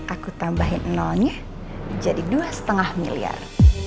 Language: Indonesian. aku tambahin nolnya jadi dua lima miliar